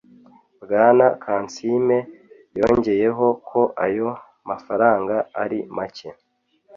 Bwana Kansiime yongeyeho ko ayo mafaranga ari make